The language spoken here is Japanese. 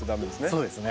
そうですね。